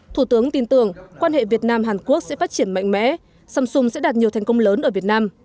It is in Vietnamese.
thủ tướng tin tưởng quan hệ việt nam hàn quốc sẽ phát triển mạnh mẽ samsung sẽ đạt nhiều thành công lớn ở việt nam